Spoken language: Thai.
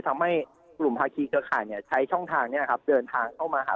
ทำให้กลุ่มภาคีเครือข่ายใช้ช่องทางเดินทางเข้ามาหา